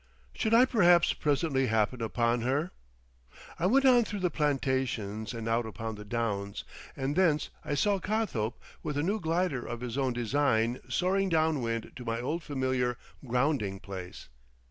Should I perhaps presently happen upon her? I went on through the plantations and out upon the downs, and thence I saw Cothope with a new glider of his own design soaring down wind to my old familiar "grounding" place.